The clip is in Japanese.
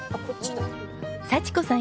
幸子さん